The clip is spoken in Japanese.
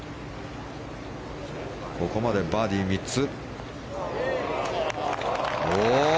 ここまでバーディー３つ。